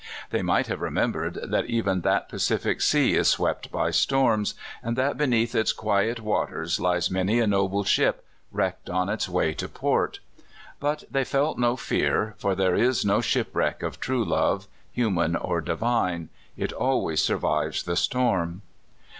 They might have remembered that even that Pacific sea is swept by storms, and that beneath its quiet waters lies many a noble ship, wrecked on its way to port. But they felt no fear, for there is no ship wreck of true love, human or divine; it always survives the storm.